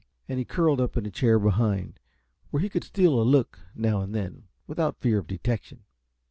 And he curled up in a chair behind, where he could steal a look, now and then, without fear of detection.